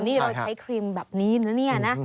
นี่เราจะใช้ครีมแบบนี้นะ